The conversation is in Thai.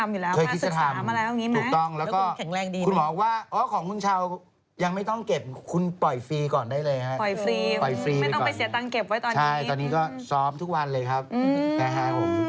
เว้ยคุณรู้เรื่องนี้ดีจังเลยจ้ะ